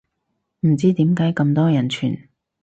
唔知點解咁多人轉